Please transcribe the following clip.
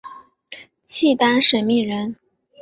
契丹审密人。